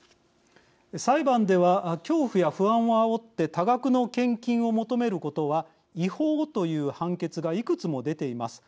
裁判では恐怖や不安をあおって多額の献金を求めることは違法という判決がいくつも出ています。